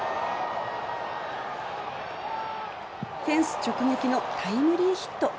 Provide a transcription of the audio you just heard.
フェンス直撃のタイムリーヒット。